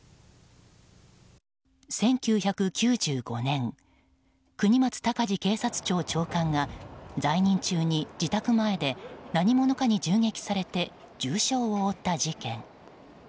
１９９５年国松警察庁長官が在任中に自宅前で何者かに銃撃されて重傷を負った事件。